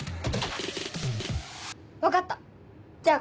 分かったじゃあ